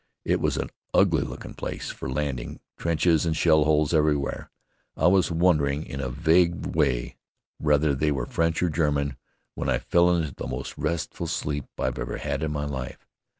It was an ugly looking place for landing, trenches and shell holes everywhere. I was wondering in a vague way whether they were French or German, when I fell into the most restful sleep I've ever had in my life.